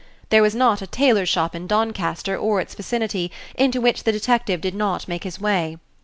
There was not a tailor's shop in Doncaster or its vicinity into which the detective did not make his way.